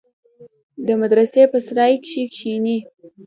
د مدرسې په سراى کښې کښېني.